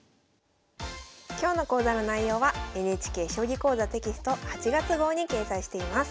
今日の講座の内容はＮＨＫ「将棋講座」テキスト８月号に掲載しています。